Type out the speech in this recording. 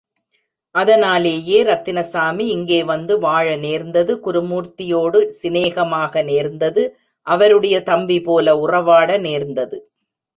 அதனாலேயே ரத்தினசாமி இங்கே வந்து வாழ நேர்ந்தது குருமூர்த்தியோடு சிநேகமாக நேர்ந்தது அவருடைய தம்பிபோல உறவாட நேர்ந்தது.